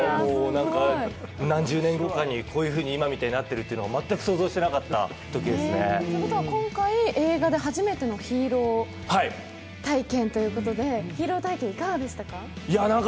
何十年後かに今みたいになってるっていうのを全く想像してなかったときですね。ということは、今回映画で初めてのヒーロー体験ということで、ヒーロー体験、いかがでしたか？